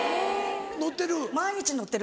乗ってる？